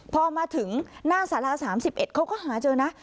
พอมาถึงหน้าสาลาสามสิบเอ็ดเขาก็หาเจอนะ